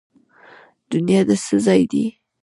دنیا د څه ځای دی؟